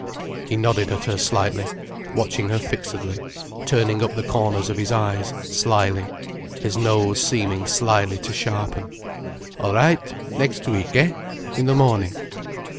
He nodded at her slightly, watching her fixedly, turning up the corners of his eyes slyly, his nose seeming slyly to sharpen. "All right. Next week, eh? In the morning?"